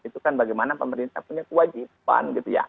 itu kan bagaimana pemerintah punya kewajiban